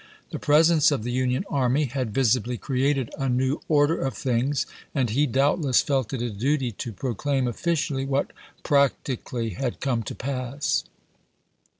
The presence of the Union army had visibly created a new order of things, and he doubtless felt it a duty to proclaim officially what practically had come to pass.